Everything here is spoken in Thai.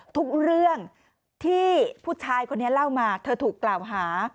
ทุกเรื่องที่ผู้ชายคนนี้เล่ามาเธอถูกกล่าวหา